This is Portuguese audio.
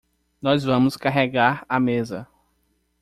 Nós vamos carregar a mesa.